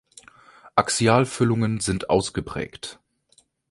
Axialfüllungen sind ausgeprägt.